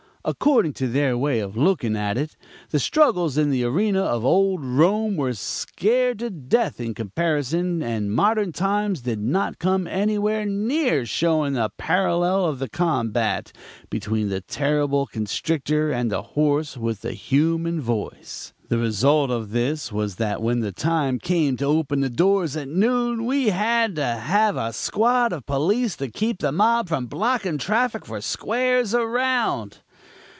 According to their way of looking at it, the struggles in the arena of old Rome were scared to death in comparison, and modern times did not come anywhere near showing a parallel of the combat between the terrible constrictor and the horse with the human voice. The result of this was that when the time came to open the doors at noon we had to have a squad of police to keep the mob from blocking traffic for squares around.